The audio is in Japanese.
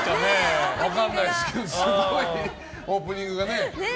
分からないですけどすごいオープニングがね。